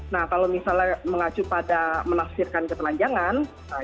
nah kalau misalnya mengacu pada menafsirkan ketelanjangan